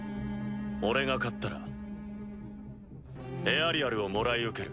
俺が勝ったらエアリアルをもらい受ける。